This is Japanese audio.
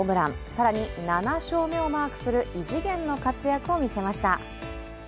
更に７勝目をマークする異次元の活躍を見せました。